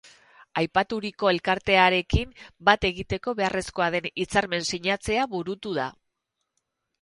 Aipaturiko elkartearekin bat egiteko beharrezkoa den hitzarmen-sinatzea burutu da.